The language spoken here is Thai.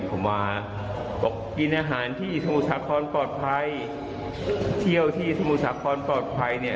ผมมาบอกกินอาหารที่สมุทรสาครปลอดภัยเที่ยวที่สมุทรสาครปลอดภัยเนี่ย